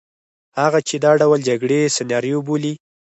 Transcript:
هغه چې دا ډول جګړې سناریو بولي.